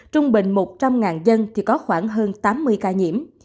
trung bình một trăm linh dân thì có khoảng hơn tám mươi ca nhiễm